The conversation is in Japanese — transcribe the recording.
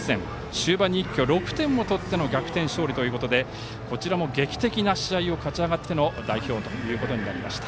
終盤に一挙６点を取っての大逆転勝利ということでこちらも劇的な試合を勝ち上がっての代表となりました。